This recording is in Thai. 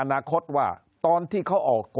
คนในวงการสื่อ๓๐องค์กร